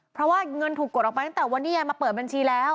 เพราะว่าเงินถูกกดออกไปตั้งแต่วันที่ยายมาเปิดบัญชีแล้ว